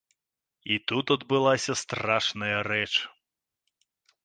І тут адбылася страшная рэч.